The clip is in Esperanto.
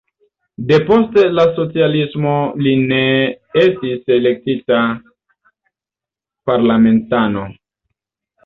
Depost la socialismo li ne estis elektita parlamentano.